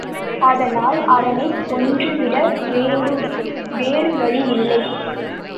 அதனால் அவனைக் கொன்றுவிட வேண்டும் வேறுவழி யில்லை.